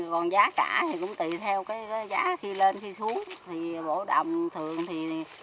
còn giá cả thì cũng tùy theo cái giá khi lên khi xuống thì bổ đồng thường thì